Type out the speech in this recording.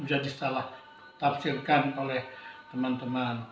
menjadi salah tafsirkan oleh teman teman